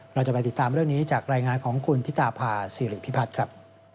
เราจะไปติดตามเรื่องนี้จากรายงานของคุณธิตาภาษีริพิพัฒน์ครับ